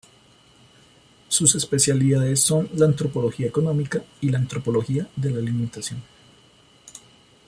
Sus especialidades son la antropología económica y la antropología de la alimentación.